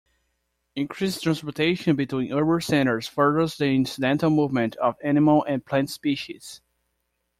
Increased transportation between urban centers furthers the incidental movement of animal and plant species.